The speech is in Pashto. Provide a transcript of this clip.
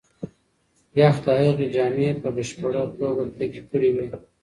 یخ د هغې جامې په بشپړه توګه کلکې کړې وې.